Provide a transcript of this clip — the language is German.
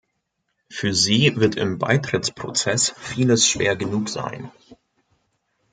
Für sie wird im Beitrittsprozess vieles schwer genug sein.